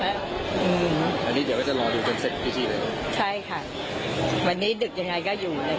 วันนี้จะรออยู่จนเสร็จที่ชิงเลย